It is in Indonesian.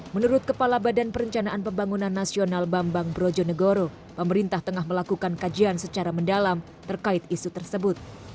menurut kepala badan perencanaan pembangunan nasional bambang brojonegoro pemerintah tengah melakukan kajian secara mendalam terkait isu tersebut